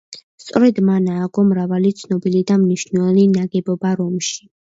სწორედ მან ააგო მრავალი ცნობილი და მნიშვნელოვანი ნაგებობა რომში.